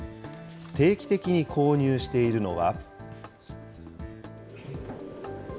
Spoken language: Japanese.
定期的に購入しているのは。